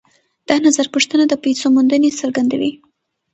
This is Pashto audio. دا نظرپوښتنه د پیسو موندنې څرګندوي